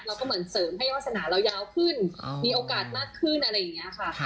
มันก็เหมือนเสริมให้วาสนาเรายาวขึ้นมีโอกาสมากขึ้นอะไรอย่างนี้ค่ะ